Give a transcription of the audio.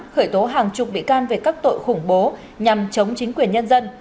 khởi tố hàng chục bị can về các tội khủng bố nhằm chống chính quyền nhân dân